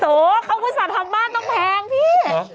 โถข้าวผู้สาธารณ์ทำบ้านต้องแพงพี่